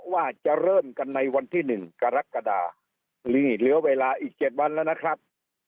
ว่าจะเริ่มกันในวันที่หนึ่งกรกฎาหรือเหลือเวลาอีกเจ็ดวันแล้วนะครับ